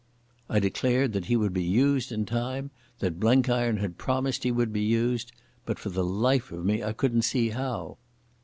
I declared that he would be used in time, that Blenkiron had promised he would be used, but for the life of me I couldn't see how.